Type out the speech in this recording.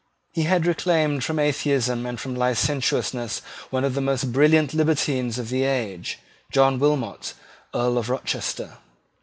He had reclaimed from atheism and from licentiousness one of the most brilliant libertines of the age, John Wilmot, Earl of Rochester.